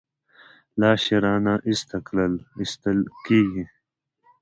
لاش یې نه راایستل کېږي.